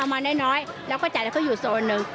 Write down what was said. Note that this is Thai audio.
ถ้ามาเอามาน้อยแล้วก็จ่ายเข้าอยู่โซนนึง